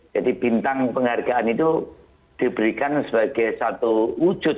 jadi bintang penghargaan itu diberikan sebagai satu wujud